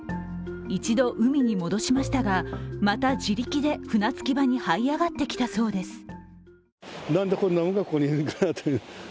一度海に戻しましたがまた自力で船着き場にはい上がってきたそうです。